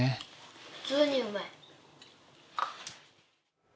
普通にうまい。